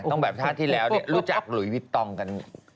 แบบชาติที่แล้วเนี่ยรู้จักหลุยวิตตองกัน